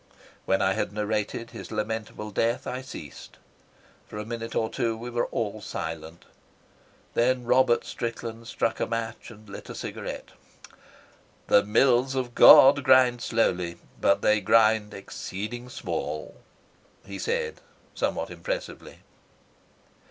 When I had narrated his lamentable death I ceased. For a minute or two we were all silent. Then Robert Strickland struck a match and lit a cigarette. "The mills of God grind slowly, but they grind exceeding small," he said, somewhat impressively.